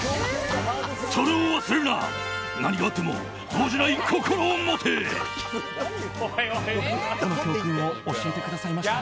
それを忘れるな何があっても動じない心を持て！